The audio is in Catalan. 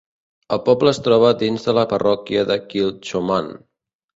El poble es troba dins de la parròquia de Kilchoman.